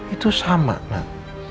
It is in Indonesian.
itu sama mak